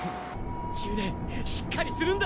ジュネしっかりするんだ！